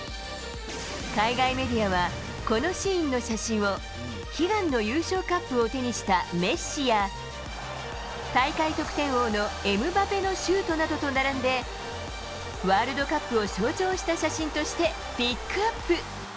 海外メディアは、このシーンの写真を、悲願の優勝カップを手にしたメッシや、大会得点王のエムバペのシュートなどと並んで、ワールドカップを象徴した写真としてピックアップ。